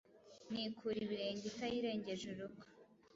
ntikura ibirenge itayirengeje urugo !